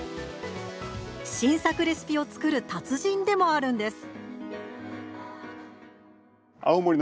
新作レシピを作る達人でもあるんです。